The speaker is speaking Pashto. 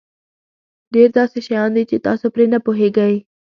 ډېر داسې شیان دي چې تاسو پرې نه پوهېږئ.